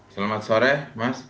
selamat sore mas